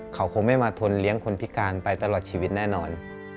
เขาคงไม่มาทนเลี้ยงคนพิการไปตลอดชีวิตแน่นอน